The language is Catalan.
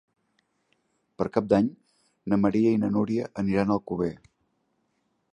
Per Cap d'Any na Maria i na Núria aniran a Alcover.